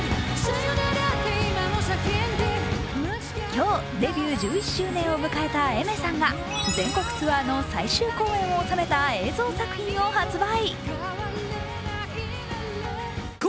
今日デビュー１１周年を迎えたＡｉｍｅｒさんが全国ツアーの最終公演を収めた映像作品を発売。